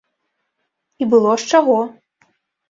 І было з чаго!